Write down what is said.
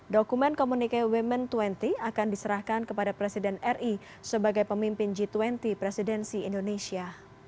dokumen komunike women dua puluh akan diserahkan kepada presiden ri sebagai pemimpin g dua puluh presidensi indonesia